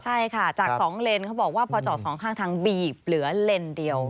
ใช่ค่ะจาก๒เลนเขาบอกว่าพอจอดสองข้างทางบีบเหลือเลนเดียว